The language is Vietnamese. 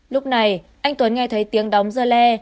lúc này anh tuấn nghe thấy tiếng đóng dơ le